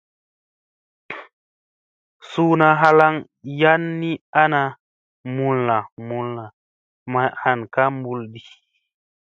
Suuna halaŋ yan ni ana mulla mulla, may an ka mulla di.